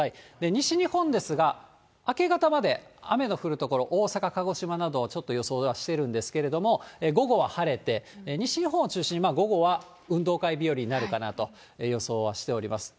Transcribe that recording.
西日本ですが、明け方まで雨の降る所、大阪、鹿児島など、ちょっと予想はしてるんですけれども、午後は晴れて、西日本を中心に、午後は運動会日和になるかなと予想はしております。